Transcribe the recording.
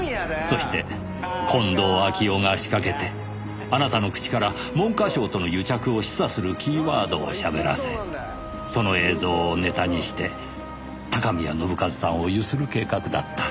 そして近藤秋夫が仕掛けてあなたの口から文科省との癒着を示唆するキーワードをしゃべらせその映像をネタにして高宮信一さんを強請る計画だった。